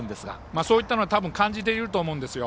そういったものは感じていると思います。